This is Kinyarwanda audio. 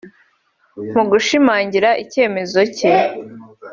Mu gushimangira icyemezo cye